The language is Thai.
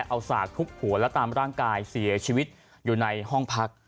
เอาสากทุบหัวและตามร่างกายเสียชีวิตอยู่ในห้องพัก